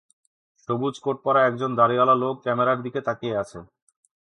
সবুজ কোট পরা একজন দাড়িওয়ালা লোক ক্যামেরার দিকে তাকিয়ে আছে।